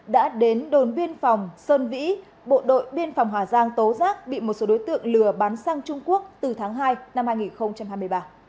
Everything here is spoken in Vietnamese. đã đến đồn biên phòng sơn vĩ bộ đội biên phòng hà giang tố rác bị một số đối tượng lừa bắn sang trung quốc từ tháng hai năm hai nghìn hai mươi ba